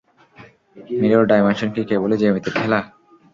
Mirror dimension কি কেবলই জ্যামিতির খেলা?